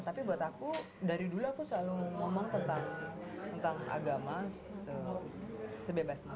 tapi buat aku dari dulu aku selalu ngomong tentang agama sebebasnya